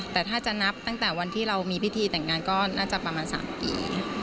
แต่ถ้าจะนับตั้งแต่วันที่เรามีพิธีแต่งงานก็น่าจะประมาณ๓ปี